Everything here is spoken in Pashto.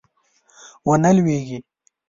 ونه لویږي